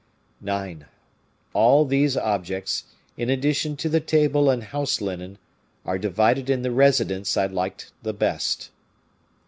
"9. All these objects, in addition to the table and house linen, are divided in the residences I liked the best."